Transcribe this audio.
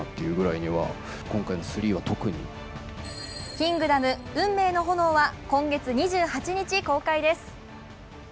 「キングダム運命の炎」は今月２８日公開です。